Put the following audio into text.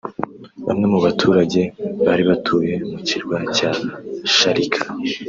Bamwe mubaturage bari batuye mu kirwa cya Sharika